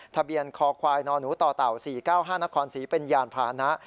ทะเบียนคอควายนหนูต่อเต่า๔๙๕นครศรีเป็นยานพานะ